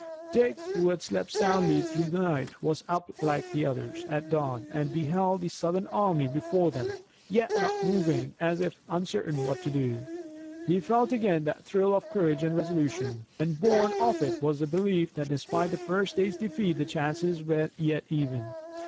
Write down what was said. Dick, who had slept soundly through the night, was up like all the others at dawn and he beheld the Southern army before them, yet not moving, as if uncertain what to do. He felt again that thrill of courage and resolution, and, born of it, was the belief that despite the first day's defeat the chances were yet even.